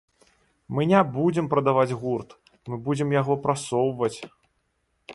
Мы не будзем прадаваць гурт, мы будзем яго прасоўваць.